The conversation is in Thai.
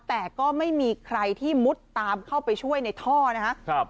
แต่ก็ไม่มีใครที่มุดตามเข้าไปช่วยในท่อนะครับ